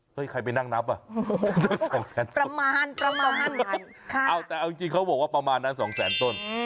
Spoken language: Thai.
เฮ้ยใครไปนั่งนับอ่ะประมาณประมาณเอาแต่เอาจริงจริงเขาบอกว่าประมาณนั้นสองแสนต้น